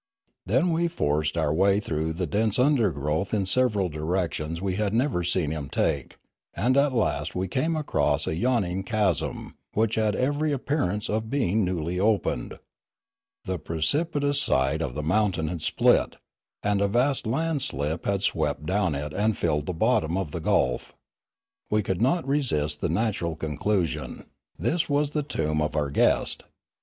Then we forced our way through the dense undergrowth in several direc tions we had never seen him take; and at last we came upon a yawning chasm, which had every appearance of being newly opened. The precipitous side of the mountain had split, and a vast landslip had swept down it and filled the bottom of the gulf. We could not resist the natural conclusion; this was the tomb of our guest.